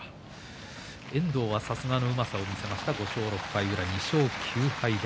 遠藤はさすがのうまさを見せました、５勝６敗。